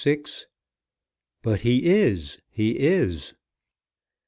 "BUT HE IS; HE IS."